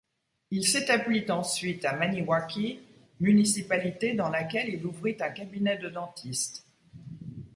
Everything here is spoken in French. Il s'établit ensuite à Maniwaki, municipalité dans laquelle il ouvrit un cabinet de dentiste.